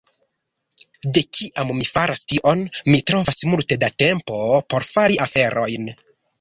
De kiam mi faras tion, mi trovas multe da tempo por fari aferojn.